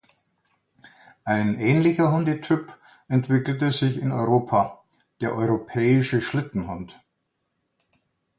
Ein ähnlicher Hundetyp entwickelte sich in Europa: der Europäische Schlittenhund.